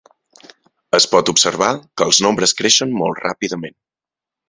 Es pot observar que els nombres creixen molt ràpidament.